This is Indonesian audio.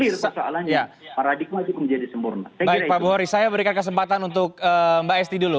saya berikan kesempatan untuk mbak esti dulu